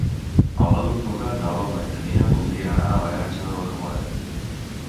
El nou d'octubre na Lola i na Nina voldrien anar a la Granja de Rocamora.